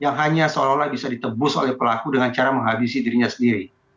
yang hanya seolah olah bisa ditebus oleh pelaku dengan cara menghabisi dirinya sendiri